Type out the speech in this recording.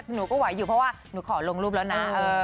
หนูก็ไหวอยู่เพราะว่าหนูขอลงรูปแล้วนะ